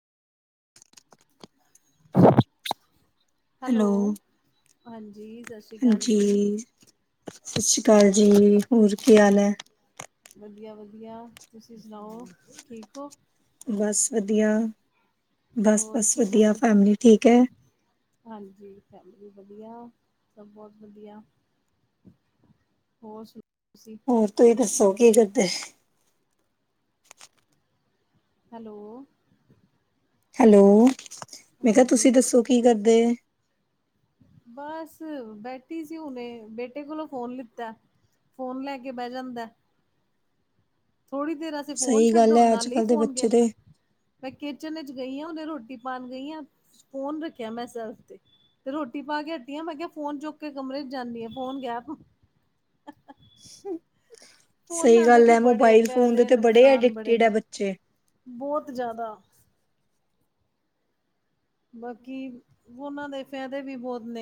Hello, ਹਾਂਜੀ। ਸਤਿ ਸ਼੍ਰੀ ਅਕਾਲ ਜੀ। ਹਾਂਜੀ ਸਤਿ ਸ਼੍ਰੀ ਅਕਾਲ ਜੀ। ਹੋਰ ਕੀ ਹਾਲ ਹੈ? ਵਧੀਆ- ਵਧੀਆ, ਤੁਸੀਂ ਸੁਣਾਓ ਠੀਕ ਹੋ? ਬਸ ਵਧੀਆ, ਬਸ- ਹੋਰ ਬਸ ਕੀ ਵਧੀਆ। ਕਰਦੇ ਸੀ? ਫੈਮਲੀ ਠੀਕ ਹੈ। ਹਾਂਜੀ, ਫੈਮਲੀ ਵਧੀਆ। ਸਭ ਬਹੁਤ ਵਧੀਆ। ਹੋਰ ਸੁਣਾਓ ਤੁਸੀਂ? ਹੋਰ ਤੁਸੀਂ ਦੱਸੋ ਕੀ ਕਰਦੇ? ਹੈਲੋ। ਹੈਲੋ। ਮੈਂ ਕਿਹਾ ਹਾਂਜੀ। ਤੁਸੀਂ ਦੱਸੋ ਕੀ ਕਰਦੇ ਬਸ, ਬੈਠੀ ਸੀ ਹੁਣੇ। ਬੇਟੇ ਕੋਲੋਂ ਫੋਨ ਲਿੱਤਾ। ਫੋਨ ਲੈ ਕੇ ਬਹਿ ਜਾਂਦਾ ਏ। ਥੋੜੀ ਦੇਰ ਅਸੀਤੇ ਫੋਨ ਸਹੀ ਗੱਲ ਛੱਡੋ, ਹੈ ਅੱਜ ਨਾਲੇ ਹੀ ਕੱਲ ਦੇ ਫੋਨ ਗ ਬੱਚੇ ਤੇ ਆਪਾਂ ਮੈਂ ਕਿਚਨ ਵਿਚ ਗਈ ਹਾਂ, ਉਹਨੇ ਰੋਟੀ ਪਾਉਣ ਗਈ ਆ। ਫੋਨ ਰੱਖਿਆ ਮੈਂ ਸੈਲਫ ਤੇ। ਤੇ ਰੋਟੀ ਪਾ ਕੇ ਹੱਟੀਆਂ। ਮੈਂ ਕਿਹਾ ਫੋਨ ਚੁੱਕ ਕੇ ਕਮਰੇ ਚ ਜਾਂਦੀ ਆ, ਫੋਨ ਗੈਬ। ਹ [unintelligible] ਸਹੀ ਫੋਨਾਂ ਦੇ ਗੱਲ ਵੀ ਹੈ ਬੜੇ ਮੋਬਾਇਲ ਫੋਨ ਦੇ ਫਾਇਦੇ ਤੇ ਬੜੇ ਨੁਕਸਾਨ ਅਡਿਕਟਡ ਹੈ ਨੇ ਬੱਚੇ ਬਹੁਤ ਜ਼ਿਆਦਾ ਬਾਕੀ ਉਹਨਾਂ ਦੇ ਫਾਇਦੇ ਵੀ ਬਹੁਤ ਨੇ